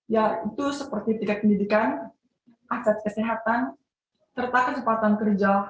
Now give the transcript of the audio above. yaitu seperti tiket pendidikan akses kesehatan serta kesempatan kerja